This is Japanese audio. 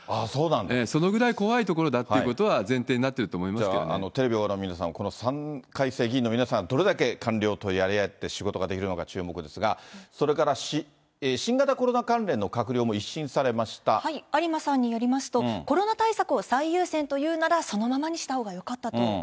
そのぐらい怖いところだっていうことは、前提になっていると思いじゃあ、テレビをご覧の皆さんは、この３回生議員の皆さん、どれだけ官僚とやり合って仕事ができるのか、注目ですが、それから、新型コロナ関連の閣僚も一新有馬さんによりますと、コロナ対策を最優先と言うなら、そのままにしたほうがよかったと。